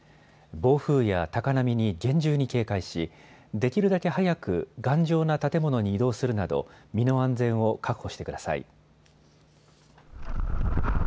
暴風や高波に厳重に警戒しできるだけ早く頑丈な建物に移動するなど身の安全を確保してください。